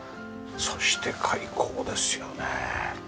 そして開口ですよね。